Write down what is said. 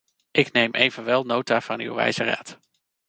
Ik neem evenwel nota van uw wijze raad.